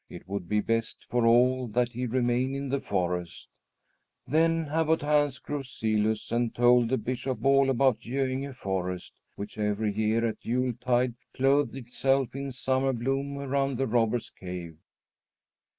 It would be best for all that he remain in the forest. Then Abbot Hans grew zealous and told the Bishop all about Göinge forest, which, every year at Yuletide, clothed itself in summer bloom around the Robbers' Cave.